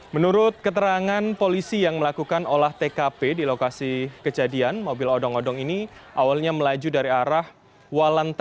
menurut keterangan polisi yang melakukan olah tkp di lokasi kejadian mobil odong odong ini awalnya melaju dari arah walantara